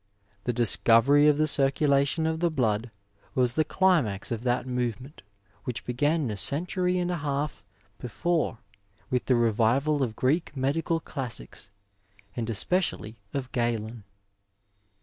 "The discovery of the circulation of the blood was the climax of that movement which began a century and a half before with the revival of Greek medical classics, and especially of Galen."